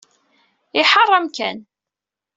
Iḥeṛṛ amkan.